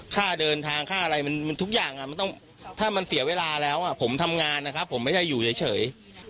ค่าเดินทางถ้ามันเสียเวลาแล้วผมทำงานนะครับผมไม่ใช่อยู่เฉย